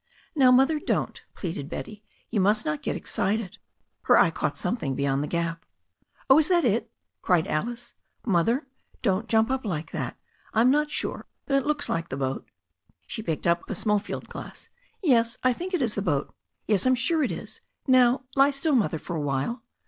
"Now, Mother, don't," pleaded Betty. "You must not get excited." Her eye caught something beyond the gap. "Oh, is that it?" cried Alice. "Mother, don't jump up like that. I'm not sure, but it looks like the boat." She picked up a small field glass. "Yes, I think it is the boat — ^yes, I'm sure it is. Now lie still. Mother, for a while."